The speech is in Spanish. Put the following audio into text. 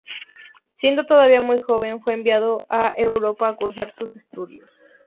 Siendo todavía muy joven fue enviado a Europa a cursar sus estudios.